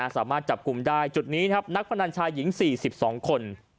สามารถจับกลุ่มได้จุดนี้ครับนักพนันชายหญิง๔๒คน